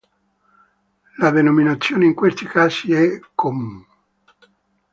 La denominazione in questi casi è "comun".